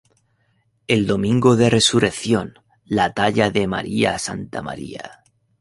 El Domingo de Resurrección, la Talla de Mª Stma.